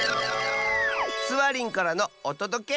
スワリンからのおとどけニャ！